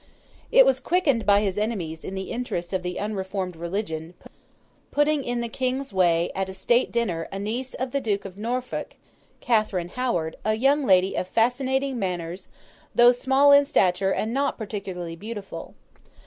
It was quickened by his enemies, in the interests of the unreformed religion, putting in the King's way, at a state dinner, a niece of the Duke of Norfolk, Catherine Howard, a young lady of fascinating manners, though small in stature and not particularly beautiful.